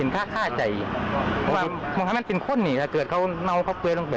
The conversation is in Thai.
ต่างทัดกันด้วยล่ะ